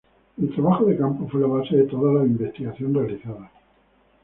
El trabajo de campo fue la base de toda la investigación realizada.